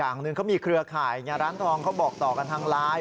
ทางนึงเขามีเครือขายเนี่ยร้านทองเขาบอกต่อกันทางไลน์